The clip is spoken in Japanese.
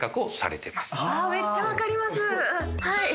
はい！